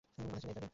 কোথায় ছিলে এ কদিন?